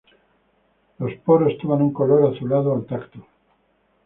Los poros toman un color azulado al tacto.